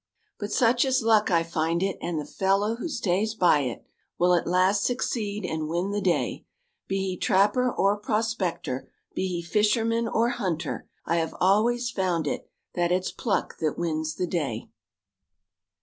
But such is luck I find it, And the fellow who stays by it Will at last succeed and win the day: Be he trapper, or prospector, Be he fisherman, or hunter, I have always found it That it's pluck that wins the day.